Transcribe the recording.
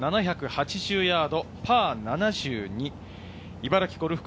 全長６７８０ヤード、パー７２。